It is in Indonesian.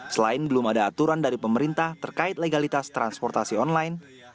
selain belum ada aturan dari pemerintah terkait legalitas transportasi online